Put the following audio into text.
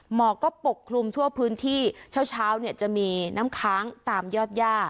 หมอกก็ปกคลุมทั่วพื้นที่เช้าเช้าเนี่ยจะมีน้ำค้างตามยอดย่า